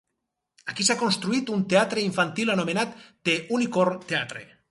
Aquí s'ha construït un teatre infantil anomenat The Unicorn Theatre.